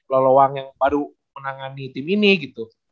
lolowang yang baru menangani tim ini gitu